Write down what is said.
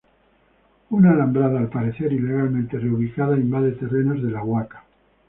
Una alambrada, al parecer ilegalmente reubicada, invade terrenos de la Huaca.